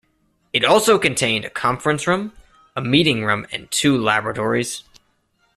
It also contained a conference room, a meeting room and two laboratories.